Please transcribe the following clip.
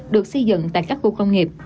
được xây dựng tại các khu công nghiệp